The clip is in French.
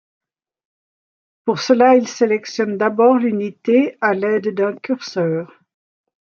Pour cela, il sélectionne d’abord l’unité à l’aide d’un curseur.